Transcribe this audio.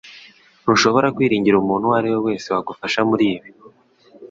Ntushobora kwiringira umuntu uwo ari we wese wagufasha muri ibi.